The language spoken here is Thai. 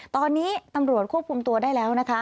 ตอนนี้ตำรวจควบคุมตัวได้แล้วนะคะ